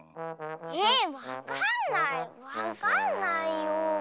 えわかんないわかんないよ。